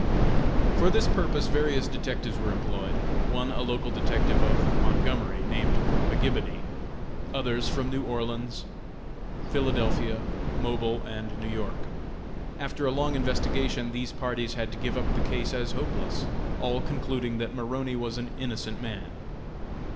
For this purpose various detectives were employed; one a local detective of Montgomery, named McGibony; others from New Orleans, Philadelphia, Mobile, and New York. After a long investigation these parties had to give up the case as hopeless, all concluding that Maroney was an innocent man.